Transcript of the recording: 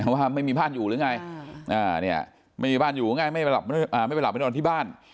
ว่าไม่มีบ้านอยู่หรือไงไม่มีบ้านอยู่ไงไม่ไปหลับไปนอนที่บ้าน